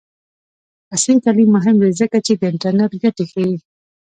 عصري تعلیم مهم دی ځکه چې د انټرنټ ګټې ښيي.